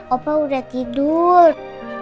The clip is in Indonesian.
opa udah tidur